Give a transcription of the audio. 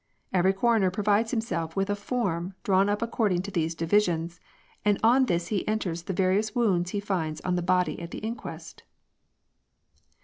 Every coroner provides himself with a form, drawn up according to these divisions, and on this he enters the various wounds he finds on the body at the inquest.